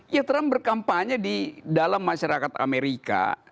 ya trump berkampanye di dalam masyarakat amerika